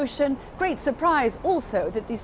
sangat mengejutkan juga